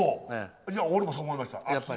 俺もそう思いました。